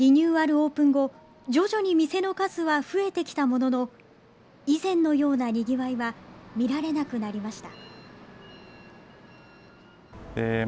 オープン後徐々に店の数は増えてきたものの以前のようなにぎわいは見られなくなりました。